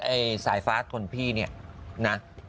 ไอ้สายฟ้าคนพี่นี่นะ